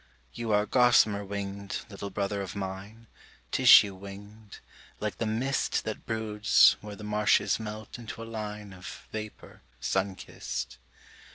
You are gossamer winged, little brother of mine, Tissue winged, like the mist That broods where the marshes melt into a line Of vapour sun kissed.